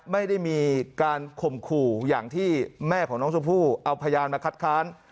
ไม่ได้มีการข่มขู่อย่างที่แม่ของน้องชมพู่เอาพยานมาคัดค้าน